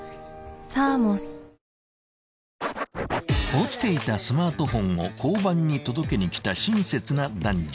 ［落ちていたスマートフォンを交番に届けに来た親切な男女］